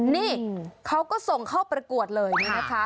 นี่เขาก็ส่งเข้าประกวดเลยนี่นะคะ